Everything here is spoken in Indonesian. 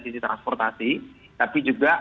sisi transportasi tapi juga